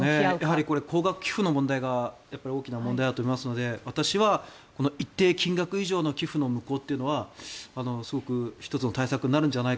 これ、高額寄付の問題が大きな問題だと思いますので私は一定金額以上の寄付の無効は１つの対策になるのではと。